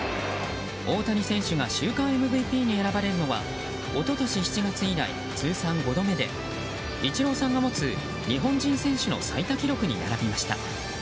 大谷選手が週間ＭＶＰに選ばれるのは一昨年７月以来、通算５度目でイチローさんが持つ日本人選手の最多記録に並びました。